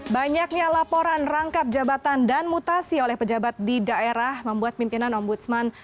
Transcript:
banyaknya laporan rangkap jabatan dan mutasi oleh pejabat di daerah membuat pimpinan ombudsman